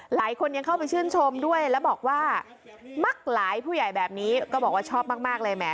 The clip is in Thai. หลายคนยังเข้าไปชื่นชมด้วยแล้วบอกว่ามักหลายผู้ใหญ่แบบนี้ก็บอกว่าชอบมากเลยแหม